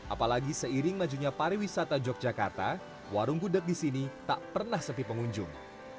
apalagi seiring majunya pariwisata yogyakarta warung gudeg di sini tak pernah sepi pengunjung